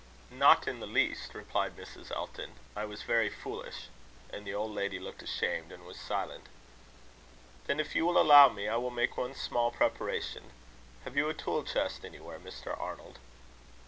"Not in the least," replied Mrs. Elton. "I was very foolish." And the old lady looked ashamed, and was silent. "Then if you will allow me, I will make one small preparation. Have you a tool chest anywhere, Mr. Arnold?"